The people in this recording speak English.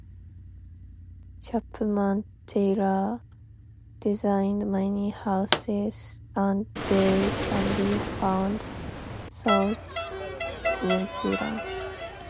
Chapman-Taylor designed many houses and they can be found throughout New Zealand.